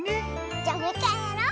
じゃもういっかいやろう！